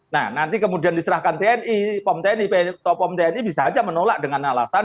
nah nanti kemudian diserahkan tni pom tni atau pom tni bisa saja menolak dengan alasan